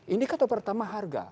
ini kata pertama harga